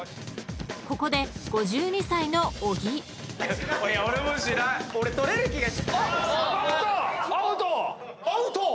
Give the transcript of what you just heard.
［ここで５２歳の小木］アウト！